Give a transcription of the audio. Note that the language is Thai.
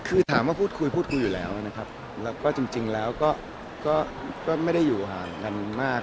คือถามว่าพูดคุยพูดคุยอยู่แล้วนะครับแล้วก็จริงแล้วก็ไม่ได้อยู่ห่างกันมาก